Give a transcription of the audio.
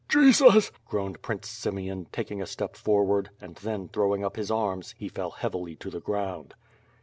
"Jesus!" groaned Prince Simeon, taking a step forward, and then, throwing up his arms, he fell heavily to the ground.